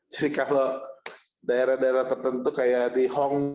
jadi kalau daerah daerah tertentu kayak di hong